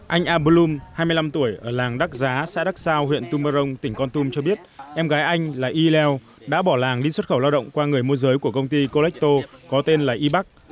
anh a bloom hai mươi năm tuổi ở làng đắc giá xã đắc sao huyện tumorong tỉnh con tum cho biết em gái anh là y lèo đã bỏ làng đi xuất khẩu lao động qua người mua giới của công ty colecto có tên là y bắc